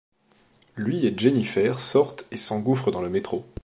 Lui et Jennifer sortent et s'engouffrent dans le métro.